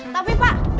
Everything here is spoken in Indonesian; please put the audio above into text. tapi pak gotoh